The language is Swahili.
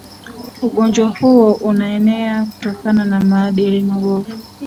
ugonjwa huo unaenea kutokana na maadili mabovu